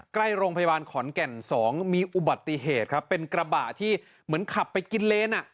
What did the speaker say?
ใกล้โรงพยาบาลขอนแก่นสองมีอุบัติเหตุครับเป็นกระบะที่เหมือนขับไปกินเลนอ่ะ